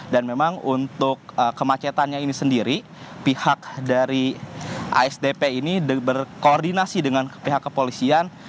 dan memang untuk kemacetannya ini sendiri pihak dari asdp ini berkoordinasi dengan pihak kepolisian